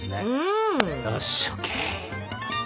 よしＯＫ。